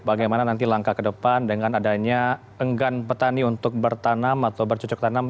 bagaimana nanti langkah ke depan dengan adanya enggan petani untuk bertanam atau bercocok tanam